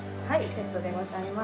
セットでございます。